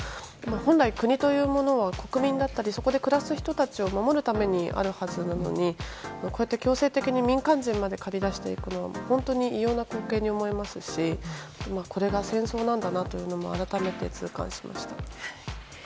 本来、国というものは国民だったりそこで暮らす人たちを守るためにあるはずなのに、強制的に民間人まで駆り出していくのは本当に異様な光景に思えますしこれが戦争なんだなと改めて痛感しました。